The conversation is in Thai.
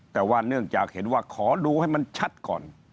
แต่ว่าเนื่องจากเห็นว่าขอดูให้มันชัดก่อน